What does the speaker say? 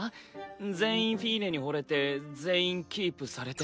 全員フィーネに惚れて全員キープされて。